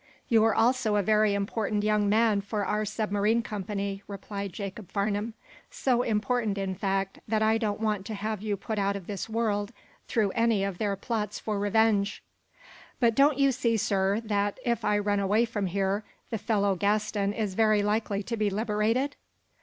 "You are also a very important young man for our submarine company," replied Jacob Farnum, "so important, in fact, that I don't want to have you put out of this world through any of their plots for revenge." "But don't you see, sir, that, if I run away from here, the fellow Gaston is very likely to be liberated?"